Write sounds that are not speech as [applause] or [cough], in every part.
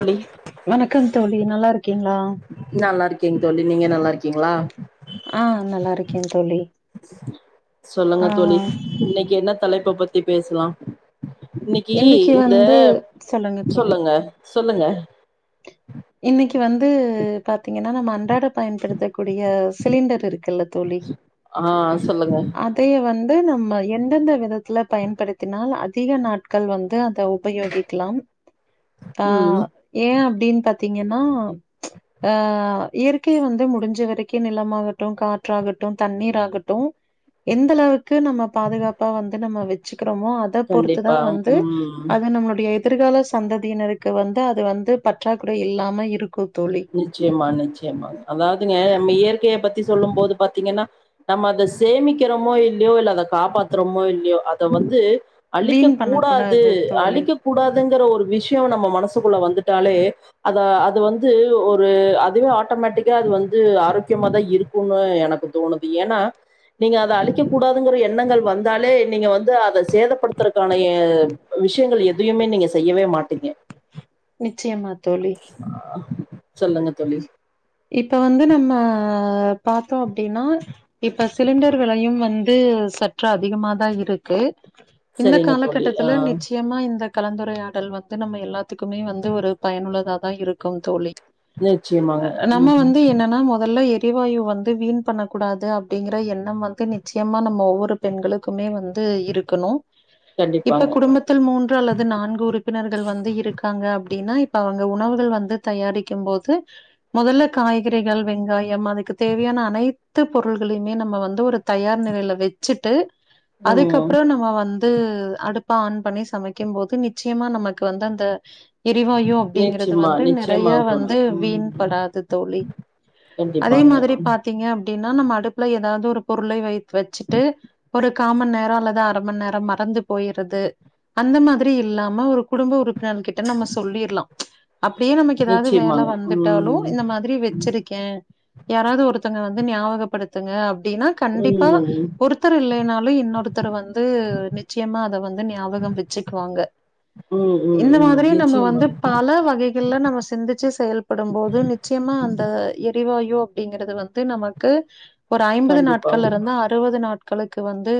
தோழி வணக்கங் தோழி நல்லா இருக்கீங்ளா நல்லா இருக்கேங் தோழி நீங்க நல்லா இருக்கீங்களா ஆஹ் நல்லா இருக்கே தோழி சொல்லுங்க ஆ தோழி இன்னைக்கு என்ன தலைப்ப பத்தி பேசலா இன்னைக்கி இன்னைக்கு இங்க வந்து சொல்லுங்க சொல்லுங்க இன்னைக்கு வந்து பாத்தீங்கன்னா நம்ம அன்றாட பயன்படுத்த கூடிய சிலிண்டர் இருக்குல்ல தோழி ஆ சொல்லுங்க அத் தைய வந்து நம்ம எந்தெந்த விதத்துல பயன்படுத்தினால் அதிக நாட்கள் வந்து அந்த உபயோகிக்கலா ம் ஆஹ் ஏன் அப்டின் பாத்தீங்கன்னா ஆஹ் இயற்கைய வந்து முடிஞ்ச வரைக்கு நிலமாகட்டு காற்றாகட்டு தண்ணீர்ராகட்டு எந்தளவு க்கு நம்ம பாதுகாப்பா வந்து நம்ம வச்சுக்றமோ அத பொறுத்துதா கண்டிப்பா வந்து ம் அது நம்ளுடைய எ திர்கால சந்ததியினருக்கு வந்து அது வந்து பற்றாக்குறை இல்லாம இருக்கு தோழி நிச்சயமா நிச்சயமா அதாவ்துங்க நம்ம இயற்கைய பத்தி சொல்லும் போது பாத்தீங்கன்னா நம்ம அத சேமிக்கிறோமோ இல்லியோ இல்ல அத காப்பாத்துறோமோ இல்லியோ அத வந்து அழிக்க வீண் கூடாது பண்ணக்கூடாது தோழி. அழிக்க கூடாதுங்கிற ஒரு விஷ்யோ நம்ம மனசுக்குள்ள வந்துட்டாலே அத அது வந் து ஒரு அதுவே ஆட்டோமேட்டிக்கா அது வந்து ஆரோக்கியமாதா இருக்குனு எனக்கு தோணுது ஏனா நீங்க அத அழிக்க கூடாதுங்ற எண்ணங்கள் வந்தாலே நீங்க வந்து அத சேதப்படுத்துறக்கானய விஷ்யங்கள் எதயுமே நீங்க செய்யவே மாட்டீங்க நிச்சயமா தோழி ஆ சொல்லுங்க தோழி இப்ப வந்து நம்ம பாத்தோ அப்டின்னா இப்ப சிலிண்டர் விலையும் வந்து சற்று அதிகமாதா இருக்கு இந்த சரிங்க தோழி ஆ காலகட்டத்துல நிச்சியமா இந்த கலந்துரையாடல் வந்து நம்ம எல்லாத்துக்குமே வந்து ஒரு பயனுள்ளதா தா இருக்கும் தோழி நிச்சயமா நம்ம வந்து என்னன்னா மொதல்ல எ ரிவாயு வந்து வீண் பண்ணக்கூடாது அப்டிங்ற எண்ணம் வந்து நிச்சயமா நம்ம ஒவ்வொரு பெண்களுக்குமே வந் து இருக்கணு கண்டிப்பாங்க இப்ப குடும்பத் தில் மூன்று அல்லது நான்கு உறுப்பினர்கள் வந்து இருக்காங்க அப்டின்னா இப்ப அவுங்க உணவுகள் வந்து தயாரிக்கும் போது மொதல்ல காய்கறிகள் வெங்காயம் அதுக்கு தேவயான அனைத்து பொருள்களைமே நம்ம வந்து ஒரு தயார் நிலைல வச் சிட்டு ம் அதுக்கப்றோ நம்ம வந் து அடுப்ப ஆன் பண்ணி சமைக்கும் போது நிச்சயமா நமக்கு வந்து அந்த எரிவாயு அப்டிங்கறது நிச்சயமா வந்து நிச்சயமா நறைய தோழி வந்து வீண் ம் படாது தோழி அதே கண்டிப்பாங்க மாதிரி பாத் தீங்க அப்டின்னா நம்ம அடுப்புல எதாவது ஒரு பொருளை வை வச்சுட்டு ஒரு கா மண் நேரோ அல்லது அரமண் நேரோ மறந்து போயிருது அந்த மாதிரி இல்லாம ஒரு குடும்ப உறுப்பினர்கள் கிட் ட்ட நம்ம சொல்லிற்லா அப்டியே நமக்கு எதாவ்து வேல நிச்சயமாங்க வந்து ம் இந்த மாதிரி வச்சிருக்கே யாராவ்து ஒருத்தோங்க வந்து ஞாபகப்படுத்துங்க அப்டின்னா கண்டிப்பா ம் ஒருத்தர் இல்லைனாலு இன்னொருத்தர் வந்து நிச்சயமா அத வந்து ஞாபகம் வச்சுக்குவாங்க ம் ம் இந்த ம் மாதிரி நம்ம நிச்சயமா வந்து பல வகைகள்ல நம்ம சிந்திச்சு செயல் படும்போது நிச்சயமா அந்த எரிவாயு அப்டிங்கறது வந்து நமக்கு ஒரு அம்பது கண்டிப்பாங்க நாட்கள்லருந்து அறுவது நாட்களுக்கு வந்து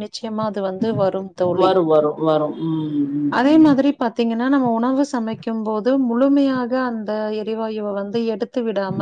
நி ச்சயமா அது வந்து வரும் தோழி வரும் வரும் வரும் ம் ம் அதே ம் மாதிரி பாத்தீங்கன்னா நம்ம உணவு சமைக்கும் போது முழுமையாக அந்த எரிவாயுவ வந்து எடுத் து விடாம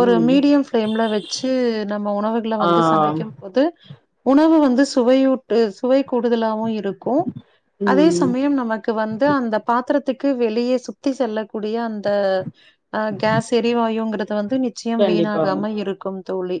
ஒரு ம் மீடியம் ஃப்ளேம்ல வச்சு நம்ம உணவுகள ஆ வந்து சமைக்கும்போது உணவு வந்து சுவையூட்டு சுவை கூடுதலாவு இருக்கு அதே ம் சமயம் நம க்கு வந்து அந்த பாத்தரத்துக்கு வெளிய சுத்தி செல்லக்கூடிய அந்த அ கேஸ் எரிவாயுங்கறது வந்து நிச்சயம் கண்டிப்பாங்க வீணாகாம இருக்கும் தோழி.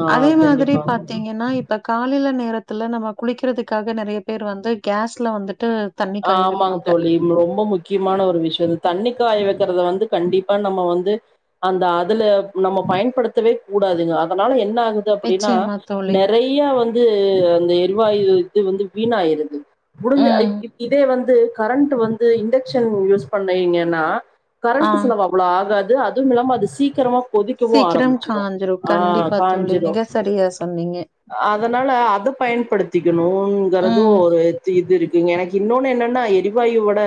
ஆ அதே மாதிரி கண்டிப்பாங்க பாத்தீங்கன்னா இ ப்ப காலைல நேரத்துல நம்ம குளிக்கிறதுக்காக நெறைய பேர் வந்து கேஸ்ல வந்துட்டு தண்ணி காய ஆமாங் வைப்பாங்க. தோழி. ம்ப ரொம்பொ முக்கியமான ஒரு விஷ்யோ இது தண்ணி காய வெக்கறத வந்து கண்டிப்பா நம்ம வந்து அந்த அதுல நம்ம பயன்படுத்தவே கூடாதுங்க அதனால என்ன ஆகு து அப்படின்னா நிச்சயமா தோழி. நெறையா வந்து அந்த எரிவாயு இது வந்து வீணாயிருது. முடிஞ்சா ம் இப் இப் இதே வந்து கரண்ட்டு வந்து இண்டெக்ஷன் யூஸ் பண்ணைங்கன்னா ஆ கரண்ட்டு செலவு அவ்ளோ ஆகாது அதுவுமில்லாம அது சீக்கிரமா கொதிக்கவு சீக்கிரம் ஆரம்பிச்சிரு காஞ்சிரு ஆ கண்டிப்பா தோழி காஞ்சிரு. மிக சரியா சொன்னீங்க அதனால அது பயன்படுத்திக்கணுங்கறது ம் ஒரு தி இது இருக்குங்க எனக் இன்னோன்னு என்னன்னா எரிவாயுவட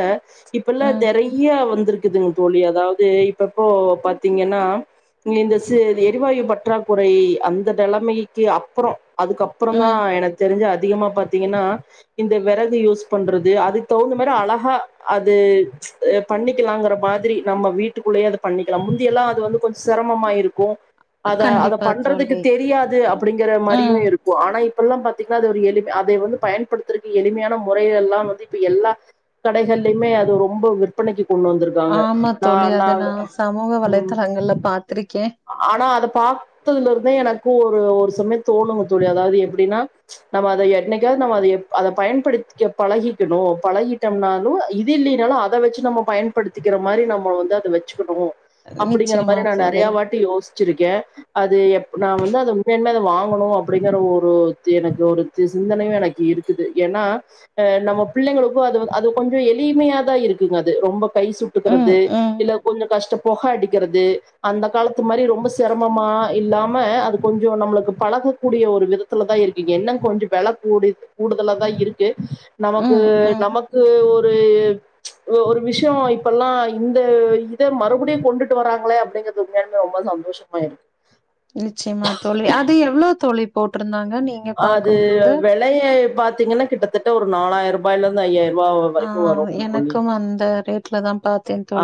ஸ்கிப்பெல்லா ம் தெறையா வந்திருக்குதுங் தோழி அதாவது இப்பப்போ பாத்தீங்கன்னா நி இந்த சு இது எரிவாயு பற்றாக்குறை அந்த தெலமைக்கு அப்புறோ அதுக்கப்புறந்தா ம் எனக் தெரிஞ்சு அதிகமா பாத்தீங்கன்னா இந்த வெறகு யூஸ் பண்றது அதுக் தவுந்த மாரி அழகா அது அ பண்ணிக்கலாங்கற மாதிரி நம்ம வீட்டுக்குள்ளயே அத பண்ணிக்கலாம் முந்தியெல்லா அது வந்து கொஞ்ச செரமமா இருக்கு. அத அத கண்டிப்பா பண்றதுக்கு தோழி தெரியாது அப்பிடிங்கற மாரியு ம் இரு கு ஆனா இப்பெல்லாம் பாத்தீங்னா அது ஒரு எளிம் அதைய வந்து பயன்படுத்தறக்கு எளிமையானம் முறைகள்லா வந்து இப்ப எல்லா கடைகள்லிமே அது ரொம்போ விற்பனைக்கி கொண்டு வந்திரு ஆமா தோழி அது நா சமூக வலைதளங்கள்ல பாத்துருக்கே. அ ஆனா அத பாத்ததுல இருந்தே எனக்கு ஒரு ஒரு சமயோ தோணுங்க தோழி அதாவது எப்டின்னா நம்ம அத என்னைக்காவ்து நம்ம அதைய அத பயன்படுத் க்க பழகிக்கணு பழகிட்டம்னாலு இது இல்லீனாலு அத வெச்சு நம்மோ பயன்படுத்திக்கிற மாரி நம்மோ வந்து அத வெ ச்சுகணு அப்பிடிங்கற நிச்சயமா மாரி நா தோழி நெறையா வாட்டி யோஸ் ச்சிருக்கே அது எப் நா வந்து அது உண்மையான்மே அத வாங்குணு அப்டிங்கற ஒருத் எனக்கு ஒருத்து சிந்தனையு எனக்கு இருக்குது ஏன்னா அ நம்ம பிள்ளைங்களுக்கு அதுவ அது கொஞ்சோ எளிமையாதா இருக்குங்க அது ரொம்ப கை ம் சுட்டுக்கறது ம் இல்ல கொஞ்சோ கஷ்ட பொக அடிக்கிறது அந்த காலத்து மாரி ரொம்ப சிரமமா இல்லாம அது கொஞ்சோ நம்மளுக்கு பழக கூடிய ஒரு விதத்துலதா இருக்கு என்னங் கொஞ்சோ வெல கூடித் கூடுதலாதா இருக்கு. நமக்கு ம் ம் நமக்கு ஒரு எ ஒ ஒரு விஷ்யோ இப்பெல்லா இந்த இத மறுபடியு கொண்டுட்டு வராங்களே அப்டிங்க து உண்மையாலுமே ரொம்போ சந்தோஷமா இருக்கு. நிச்சயமா தோழி அது எவ்ளோ தோழி போட்ருந்தாங்க நீ ஆ அது வெலையை பாத்தீங்கன்னா கிட்டத்தட்ட ஒரு நாலாயிர் பாயிலந்து ஐயாயிர்ருவா வ ஆ வரைக்கு வருங்க தோழி. எனக்கும் அந்த ரேட்ல தா பாத்தேன் ஆ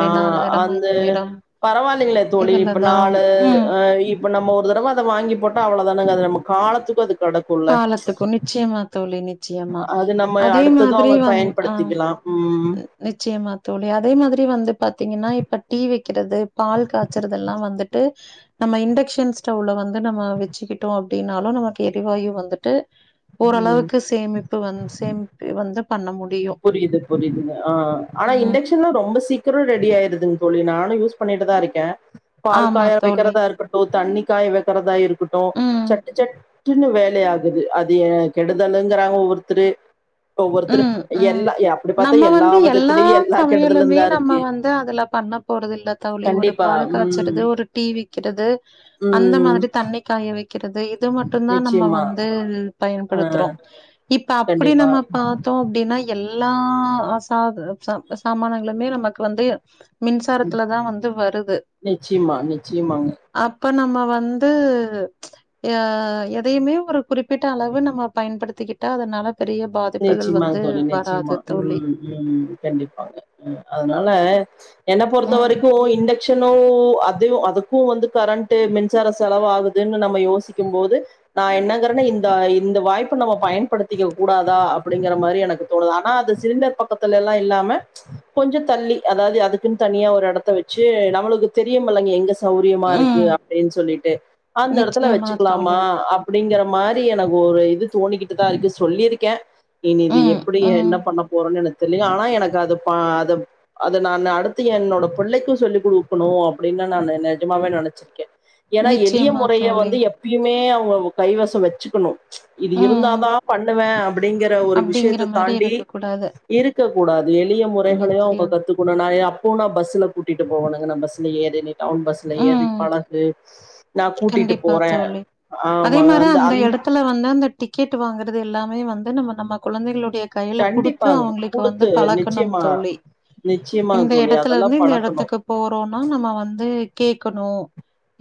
அந்த பரவால்லைங்ளே தோழி இப்ப இதுலதா நாலு ம் அ இப் ப நம்ம ஒரு தடவ அத வாங்கி போட்டா அவ்ளதானங்க அது நம்ம காலத்துக்கு அது கடக்குல்ல. காலத்துக்கு நிச்சயமா தோழி நிச்சயமா அது நம்ம அதே அடுத்தது அவ பயன்படுத்திக்கலா. ம் நிச்சயமா தோழி அதே மாதிரி வந்து பாத்தீங்கன்னா இப்ப டீ வெ க்கிறது பால் காச்சறது எல்லா வந்துட்டு நம்ம இண்டெக்ஷன் ஸ்டவ்ல வந்து நம்ம வெச்சுக்கிட்டோ அப்டின்னாலு நமக்கு எரிவாயு வந்துட்டு ம். ஓரளவுக்கு சேமிப்பு வந் சேமிப்பி வந்து பண்ண முடியு. புரியுது புரியுது ஆ ஆனா ம் இண்டக்ஷன்லா ரொம்ப சீக் கறோ ரெடி ஆயிருதுங் தோழி நானு யூஸ் பண்ணிட்டுதா இருக்கே பால் ஆமா பாயா தோழி வைக்கிறதா இருக்கட் டு தண்ணி காய வைக்கிறதா இருக்கட்டு ம் சட்டு சட சின்னு வேலைய ஆகுது அது ஏ கெடுதலுங்கிறாங்க ஒவ்வொருத்தரு ஒவ்வொருத்தரு ம் ம் எல்லா அப்படி பாத்தா நம்ம வந்து எல்லா விதத்துலயு சமையலுமே கெடுதலுந்தா நம்ம இருக்கு வந்து அதுல பண்ண போறதுல்ல தோழி ஒரு கண்டிப்பா பால் காய்ச்சறது ம் ஒரு டீ வக்கிறது அந்த ம் மாதிரி தண்ணி காய வைக்கிறது இது மட் ட்டுந்தா நம்ம நிச்சயமா வந்து ஆ பயன்படுத்துறோ இப்ப அப்டி கண்டிப்பா நம்ம பத்தோ அப்படின்னா எல்லா சாத சா சாமானங்களுமே நமக்கு வந்து மின்சாரத்துல தா வந்து வருது நிச்சயமா நிச்சயமாங்க அப்ப நம்ம வந்து ஆ எதையுமே ஒரு குறிப்பிட்ட அளவு நம்ம பயன்படுத்திக்கிட்டா அதனால பெரிய பாதி நெச்சிம்மா தோழி நெச்சிம்மா ம் ம் கண்டிப்பாங்க அ அதனால என்ன பொறுத்த ம் வரைக்கு இந்த சன்னு அத அதுக்கு வந்து கரண்ட்டு மின்சார செலவ ஆகுதுன்னு நம்ம யோசிக்கும் போது நா என்னங்கறேன இந்த இந்த வாய்ப்ப நம்ம பயன்படுத்திக்க கூடா தா அப்படிங்கிற மாரி எனக்கு தோணுது ஆனா அந்த சிலிண்டர் பக்கத்துலல்லா இல்லாம கொஞ்சம் தள்ளி அதாவது அதுக்குன்னு தனியா ஒரு எடத்த வச்சு நம்மளுக்கு தெரியுமலங்க எங்க சௌரியமா இருக்கு ம் அப்டின்னு சொல்லிட்டு அந்த எடத்துல நிச்சயமா தோழி வச்சுக்கலாமா அப் அப்படிங்கிற மாரி எனக்கு ஒரு இது தோணிக்கிட்டுதா இருக்குது சொல்லியிருக்கே நீனு இது ம் எப்டி என்ன ம் பண்ண போறோன்னு எனக்கு தெரியு ஆனா எனக்கு அத பா அது அத நான்னு அடுத்து என்னோட பிள்ளைக்கு சொல்லிக் குடுக்கணு அப்டின்னு நா நஜமாவே நெனைச்சே ருக்கே ஏன்னா எளிய நிச்சயமா முறைய தோழி வந்து எப் எப்பயுமே அவங்க கைவசம் வச்சுக்கணு இது ம் இருந்தாதா பண்ணுவே அப்டிங்கற ஒரு அப்டிங்கிற விஷயத்தை மாரி தாண்டி இருக்க கூடாது இருக்கக் கூடாது எளிய முறைகளையு நிச்சயம் அவங்க கத்துக்க போன நா அப்போனா பஸ்சில கூட்டிட்டு போகணுங்க நா பஸ்ஸில ஏறி நீ டவுன் பஸ்ஸில ஏறி ம் பழகு நா கூட்டிட்டு கண்டிப்பா போறே தோழி அதே ஆமாங்க மாரி அந்த அந் எடத் துல வந்து அந்த டிக்கெட் வாங்குறது எல்லாமே வந்து நம்ம நம்ம குழந்தைகளுடைய கையில குடுத்து கண்டிப்பாங்க அவங்களுக்கு வந்து குடுத்து பழக்கணம் நிச்சயமா தோழி நிச்சயமாங்க இந்த தோழி எடத்துல அதெல்லா இருந்து இந்த பழக்கணு எடத்துக்கு போறோம்னா நம்ம வந்து கேக்கணு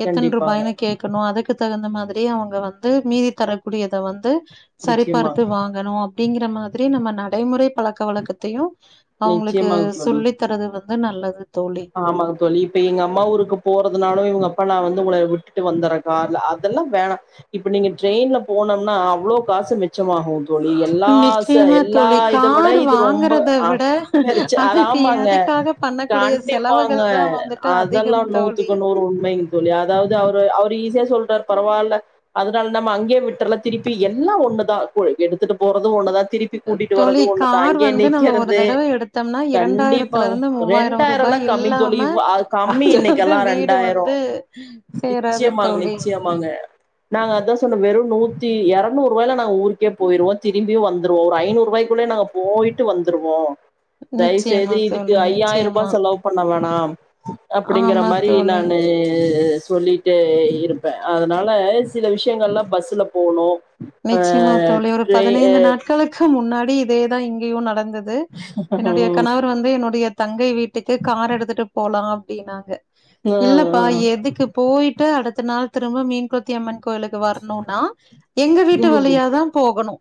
எத்தன்ரு கண்டிப்பாங்க கேக்கணு அதுக்கு தகுந்த மாதிரி அவங்க வந்து மீதி தரக்கூடியத வந்து சரிபார்த்து நிச்சயமாங்க வாங் கனு அப்டிங்கிற மாரி நம்ம நடைமுறை பழக்க வழக்கத்தையு அவங்களுக்கு நிச்சயமாங்க தோழி சொல்லி த்துறது வந்து நல்லது தோழி ஆமாங்க தோழி இப்ப எங்கம்மா ஊருக்கு போறதுனாலு இவங்க அப்பா நா வந்து உங்கள விட்டுட்டு வந்துறே கார்ல அதெல்லா வேணா இப்ப நீங்க ட்ரெயின்ல போனோம்னா அவ்ளோ காசு மிச்சமாகு நிச்சயமா தோழி விட கார் இது ரொம்ப வாங்கறத ஆ விட பெருச்சு அதுக்கு எதுக்காக பண்ணக்கூடிய செ இருப்பாங்க அதெல்லா நூத்துக்கு நூறு உண்மை தோழி அதாவது அவரு அவரு ஈஸியா சொல்ட்டாரு பரவால்ல அதனால நம்ம அங்கே விட்றலா திருப்பி எல்லா ஒண்ணுதா இப்போ எடுத்துட்டு போறது ஒண்ணுதா திருப் கூட்டிட்டு வறது தோழி ஒண்ணுதா கார் அங்கயே வந்து நம்ம ஒரு நிக்கிறது தடவ எடுத்தோம்னா கண்டிப்பா இரண்டாயிரத்துல இருந்து மூவாயிரம் ரெண்டாயிரலா ரூபாய் கம்மிங் தோழி இல்லாம கம்மி அது வந்து இன்னைக்கெல்லா வீடு ரெண்டாயிர வந்து சேராது நிச்சயமா தோழி நிச்சய ஆமாங்க நாங்க அதா சொன்னோ வெறு நூத்தி இரநூரூவாய்ல நா ஊருக்கே போயிருவோ திரும்பி வந்துருவோ ஒரு ஐநூருவாய்க்குள்ளே நாங்க போயிட்டு வந்துருவோம் தயவுசெய்து நிச்சயமா இதுக்கு தோழி ஐயாயிரம் நிச்சயமா ரூபாய் செலவு பண்ண வேணா அப்படிங்கற ஆமா மாரி தோழி நானு சொல்லி ட்டு இருப்பே அதனால சில விஷயங்கள்ல்லாலா பஸ்ல போணும் நிச்சயமா தோழி ஒரு பதினைந்து நாட்களுக்கு முன்னாடி இதேதா இங்கேயு நடந்தது என்னுடைய கணவர் வந்து என்னுடைய தங்கை வீட்டுக்கு கார் எடுத்துட்டு போலாம் அப்படின்னாங்க ம் இல்லப்பா ம், எதுக்கு போயிட்டு அடுத்த நாள் திரும்ப மீன் கொத்தி அம்மன் கோயிலுக்கு வரணும்னா எங்க வீட்டு ம். வழியாதா போகணும்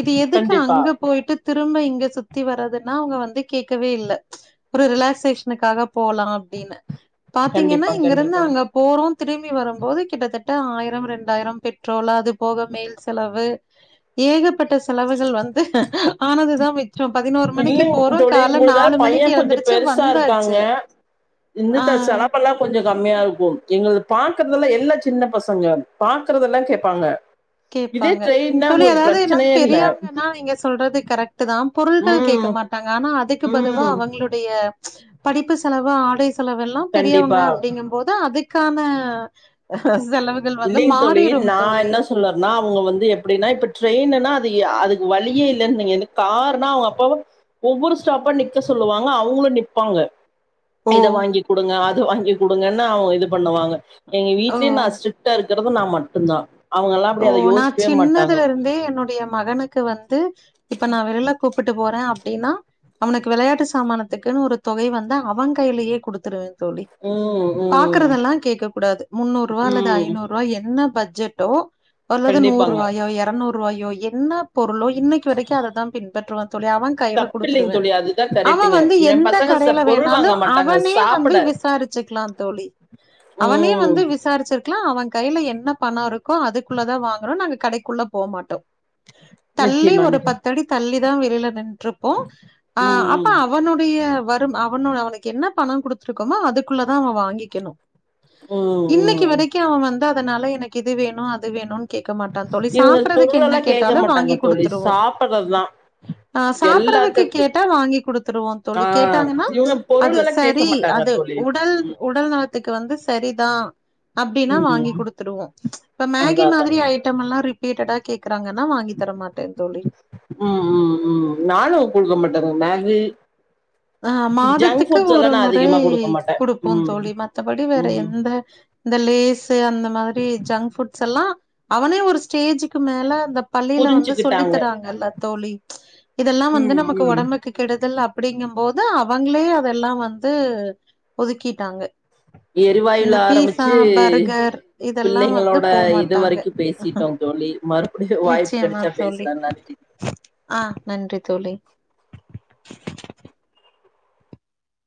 இது எதுக்கு கண்டிப்பா அங்க போயிட்டு திரும்ப இங்க சுத்தி வரதுன்னா அவுங்க வந்து கேக்கவே இல்ல ஒரு ரிலாக்சேஷனுக்காக போலாம் அப்படின்னு பாத்தீங்கன்னா கண்டிப்பா இங்க இருந்து கண்டிப்பா அங்க போறோம் திரும்பி வரும்போது கிட்டத்தட்ட ஆயிரம் ரெண்டாயிரம் பெட்ரோலாது போக மேல் செலவு ஏகப்பட்ட செலவுகள் வந்து ஆனதுதா மிச்சம் பதினோரு மணிக்கு இல்லைங்க போறோம் தோழி கால்ல உங்களுதா நாலு மணிக்கு பையன் கொஞ்சோ எழந்துருச்சு வந்தாச்சு இந்து ஆ. தா செலாப்பல்லாம் கொஞ்சோ கம்மியா இருக்கும் எங்களது பாக்கறதெல்லா எல்லா சின்ன பசங்க பாக்குறதெல்லா கேப்பாங்க இதே கேப்பாங்க ட்ரெயின்னா தோழி உங்களுக்கு அதாவது என்ன பிரச்சனையே இல்ல பெரியவங்கன்னா நீங்க சொல்றது கரெக்ட் ட்டுதா பொருள்கள் கேக்க ம் மாட்டாங்க ஆனா அதுக்கு பதுவா ம் அவுங்களோட படிப்பு செலவு ஆடை செலவு எல்லாம் பெரியவுங்க கண்டிப்பா அப்படிங்கும்போது அதுக் க்கான செலவுகள் வந்து மாறிடும் தோழி சொல்லனா அவுங்க வந்து எப்படின்னா இப்ப ட்ரெயின்னுனா அது அதுக்கு வழியே இல்ல நீங்க காருனா அவுங்க அப்ப ஒவ்வொரு ஸ்டாப்பா நிக்க சொல்லுவாங்க அவுங்களும் நிப்பாங்க ஓ இத வாங்கி குடுங்க அத வாங்கி குடுங்கன்னு அவுங்க இது பண்ணுவாங்க எங்க ஓ வீட்லயே நா ஸ்ட்ரி ட்டா இருக்குறது நா மட்டும்தா ஓ நா சின்னதுல இருந்தே என்னுடைய மகனுக்கு வந்து இப்ப நா விரல கூப்பிட்டு போறே அப்படின்னா அவனுக்கு விளையாட்டு சாமானத்துக்குன்னு ஒரு தொகை வந்து அவன் கையிலயே குடுத்துருவேன் தோழி ம் ம் பாக்குறதெல்லா கேக்க கூடாது முன்னூறு ரூபா அல்லது ம் ஐநூறு ரூபா என்ன பட்ஜெட்டோ அல்லது நூறு கண்டிப்பாங்க ரூபாயோ இரநூறு ரூவாயோ என்ன பொருளோ இன்னைக்கு வரைக்கும் அதைதா பின்பற்றுவந் தோழி அவன் கையில தப்பில்லைங்க குடுத்துருவேன் தோழி அதுதா அவன் கரெக்ட்டுங்க வந்து எ எந்த பசங்க ச கடையில பொருள் வாங்க வேணாலும் மாட்டாங்க அவனே வந்து சாப்புட விசாரிச் ச்சுக்கலா தோழி அவனே ம் வந்து விசாரிச்சிருக் கலா அவன் கையில என்ன பணம் இருக்கோ அதுக்குள்ளதா வாங்கனும் நாங்க கடைக்குள்ள போகமாட்டோம் தள்ளி நிச்சயமா ஒரு நிச்சயமா பத்தடி தள்ளி தா வெளியில நின்று இருப்போம் ஆ ம் அப்பா அவனுடைய வரும் அவனுட அவனுக்கு என்ன பணம் குடுத்துருக்கோமோ அதுக்குள்ளதா அவன் வாங்கிக்கணும் ம் ம் இன்னைக்கு ம் வரைக்கும் அவன் வந்து அதனால எனக்கு இது வேணும் அது வேணுன்னு கேக்க மாட்டான் தோழி இவங்க சாப்புட்றதுக்கு என்ன பொருளெல்லா கேக்க கேட்டாலும் வாங்கி மாட்டாங்க தோழி குடுத்துருவோம் சாப்பட்றதுதா அ சாப்புட்றதுக்கு எல்லாத்துக்கு கேட்டா வாங்கி குடுத்துருவோம் ஆ தோழி கேட்டாங்கன்னா இவங்க அது பொருளெல்லா கேக்க சரி மாட்டாங்க அது தோழி உடல் ம் உடல் நலத்துக்கு வந்து சரிதா அப்படின்னா வாங்கி ம் குடுத்துருவோம் இப்ப மேகி அதா அதா மாரி ஐட்டம் எல்லா ரிப்பீட்டடா கேக்குறாங்கன்னா வாங்கி தர மாட்டேன் தோழி உம் உம் உம் நானும் குடுக்க மாட்டேங்க மேகி அ இந்த ஜங்க் மாதத்துக்கு ஃபுட்ஸ் எல்லா ஒரு நா முறை அதிகமா குடுக்க மாட்டே குடுப்போம் ம் தோழி மத்தபடி வேற ம் எந்த இந்த லேஸு அந்த மாதிரி ஜங்க் ஃபுட்ஸ் எல்லா அவனே ஒரு ஸ்டேஜுக்கு மேல இந்த பள்ளியில வந்து சொல்லி புரிஞ்சுக்கிட்டாங்க தராங்கல்ல தோழி இதெல்லா வந்து ம் நமக்கு ம் உடம்புக்கு கெடுதல் அப்படிங்கும் போது அவுங்களே அதெல்லா வந்து ஒதுக்கிட்டாங்க [unintelligible] எரிவாயுல இந்த பீஸா ஆரம்பிச்சு பர்கர் இதெல்லா வந்து பிள்ளைங்களோட போ இது மாட்டாங்க வரைக்கு பேசிட்டோ தோழி மறு வாய்ப்பு நிச்சயமா கெடைச்சா தோழி பேசலா நன்றி ஆ நன்றி தோழி